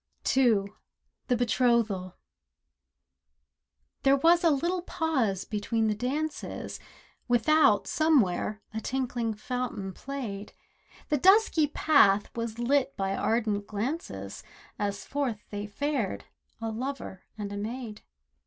THE BETROTHAL II There was a little pause between the dances; Without, somewhere, a tinkling fountain played. The dusky path was lit by ardent glances As forth they fared, a lover and a maid.